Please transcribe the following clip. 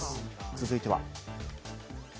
続いては。